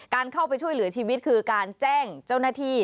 เข้าไปช่วยเหลือชีวิตคือการแจ้งเจ้าหน้าที่